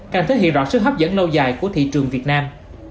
càng thể hiện rõ sức hấp dẫn lâu dài của thị trường việt nam